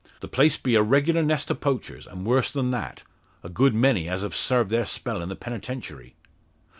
The place be a regular nest o' poachers, an' worse than that a good many as have sarved their spell in the Penitentiary."